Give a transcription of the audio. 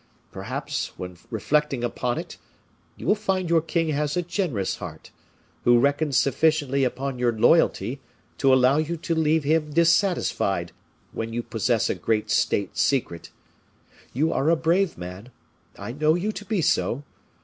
Perhaps, when reflecting upon it, you will find your king has a generous heart, who reckons sufficiently upon your loyalty to allow you to leave him dissatisfied, when you possess a great state secret. You are a brave man; I know you to be so.